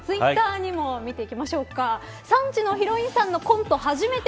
ツイッターを見ていきましょう。